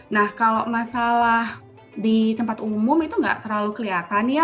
nah kalau masalah di tempat umum itu nggak terlalu kelihatan ya